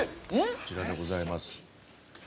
◆こちらでございます。